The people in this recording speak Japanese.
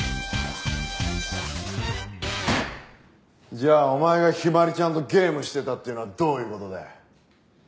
じゃあお前が陽葵ちゃんとゲームしてたっていうのはどういう事だ？